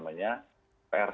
sesuatu yang kita akan